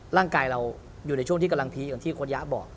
ร่างกายเราอยู่ในช่วงที่กำลังพีคอย่างที่โค้ชยะบอก